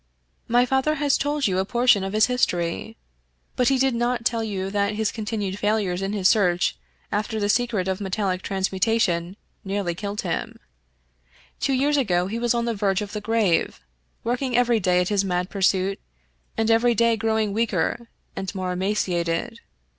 " My father has told you a portion of his history. But he did not tell you that his continued failures in his search after the secret of metallic transmutation nearly killed him. Two years ago he was on the verge of the grave, working every day at his mad pursuit, and every day growing weaker and more emaciated.